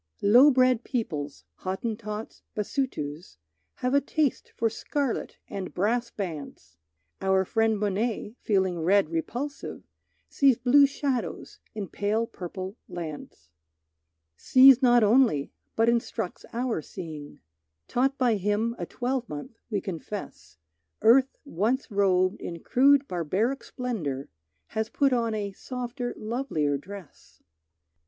Low bred peoples, Hottentots, Basutos, Have a taste for scarlet and brass bands. Our friend Monet, feeling red repulsive, Sees blue shadows in pale purple lands. Sees not only, but instructs our seeing; Taught by him a twelvemonth, we confess Earth once robed in crude barbaric splendor, Has put on a softer lovelier dress.